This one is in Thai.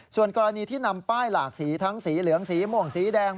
ส่วนกรณีที่นำป้ายหลากสีทั้งสีเหลืองสีม่วงสีแดง